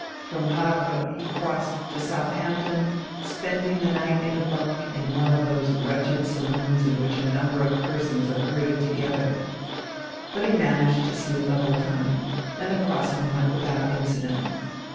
From Havre he crossed to Southampton, spending the night in a bunk in one of those wretched saloons in which a number of persons are herded together. But he managed to sleep the whole time, and the crossing went without incident.